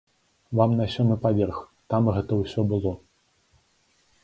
Вам на сёмы паверх, там гэта ўсё было.